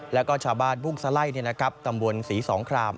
แล้วก็ชาบาทบุกซะไล่ตำบวนสีสองคราม